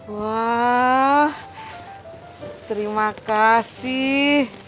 wah terima kasih